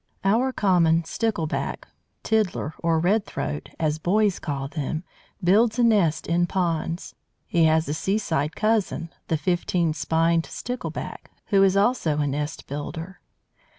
Our common Stickleback "Tiddler," or "Red throat," as boys call him builds a nest in ponds. He has a seaside cousin, the fifteen spined Stickleback, who is also a nest builder.